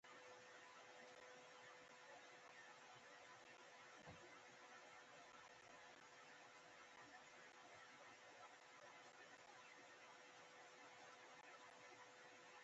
ما پخوا هم ستا په څیر خلک سم کړي دي